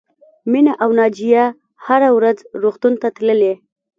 مینه او ناجیه هره ورځ روغتون ته تللې